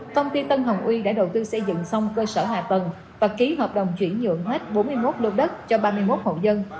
công ty tân hồng uy đã đầu tư xây dựng xong cơ sở hạ tầng và ký hợp đồng chuyển nhượng hết bốn mươi một lô đất cho ba mươi một hộ dân